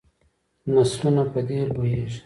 نسلونه په دې لویږي.